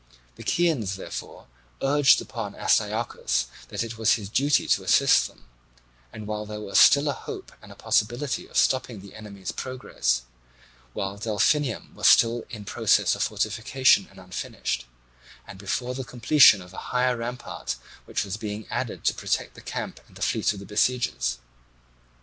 The Chians therefore urged upon Astyochus that it was his duty to assist them, while there was still a hope and a possibility of stopping the enemy's progress, while Delphinium was still in process of fortification and unfinished, and before the completion of a higher rampart which was being added to protect the camp and fleet of their besiegers.